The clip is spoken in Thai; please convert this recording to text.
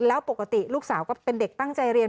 แล้วปกติลูกสาวก็เป็นเด็กตั้งใจเรียน